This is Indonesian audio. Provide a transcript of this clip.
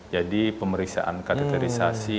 jadi pemeriksaan karakterisasi